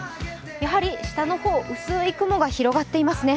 やはり下の方、薄い雲が広がっていますね。